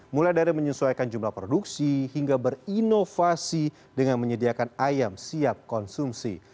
mulai dari menyesuaikan jumlah produksi hingga berinovasi dengan menyediakan ayam siap konsumsi